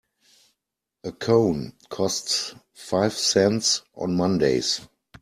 A cone costs five cents on Mondays.